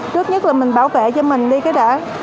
trước nhất là mình bảo vệ cho mình đi cái đảo